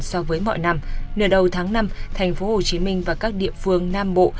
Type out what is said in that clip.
so với mọi năm nửa đầu tháng năm thành phố hồ chí minh và các địa phương nam bộ